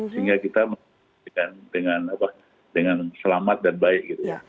sehingga kita dengan selamat dan baik gitu ya